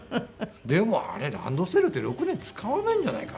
でもあれランドセルって６年使わないんじゃないかな？